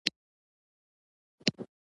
• د ساعت عقربې تل پر مخ ځي.